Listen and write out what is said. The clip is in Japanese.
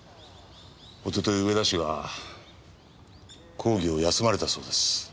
一昨日上田氏は講義を休まれたそうです。